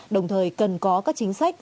đồng thời cần có các chính sách